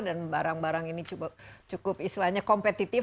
dan barang barang ini cukup kompetitif